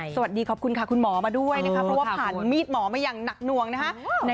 สวัสดีขอบคุณค่ะคุณหมอมาด้วยนะคะเพราะว่าผ่านมีดหมอมาอย่างหนักหน่วงนะคะ